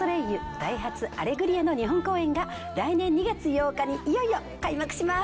ダイハツ『アレグリア』の日本公演が来年２月８日にいよいよ開幕します。